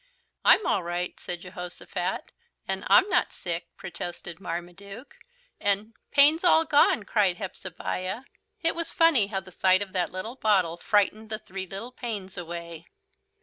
"I'm all right," said Jehosophat; and "I'm not sick," protested Marmaduke; and "Pain's all gone," cried Hepzebiah. It was funny how the sight of that bottle frightened the three little pains away.